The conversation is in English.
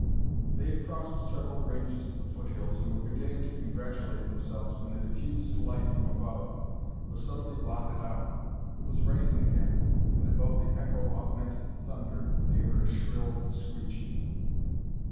They had crossed several ranges of the foothills and were beginning to congratulate themselves when the diffused light from above was suddenly blotted out. It was raining again, and above the echo augmented thunder they heard a shrill screeching.